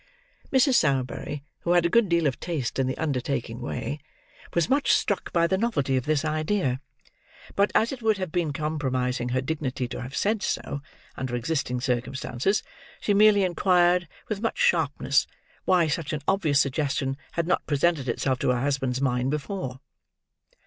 Mrs. Sowerberry, who had a good deal of taste in the undertaking way, was much struck by the novelty of this idea; but, as it would have been compromising her dignity to have said so, under existing circumstances, she merely inquired, with much sharpness, why such an obvious suggestion had not presented itself to her husband's mind before?